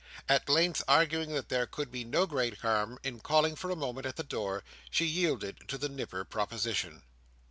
At length, arguing that there could be no great harm in calling for a moment at the door, she yielded to the Nipper proposition.